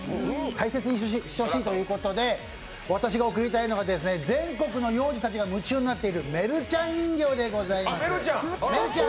大切にしてほしいということで私が贈りたいのは全国の幼児たちが夢中になっているメルちゃん人形でございます。